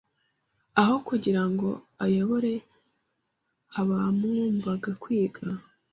Aho kugira ngo ayobore abamwumvaga kwiga